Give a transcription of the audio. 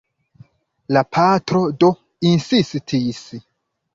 La patro do insistis.